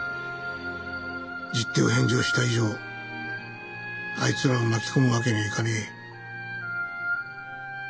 十手を返上した以上あいつらを巻き込む訳にゃいかねえ。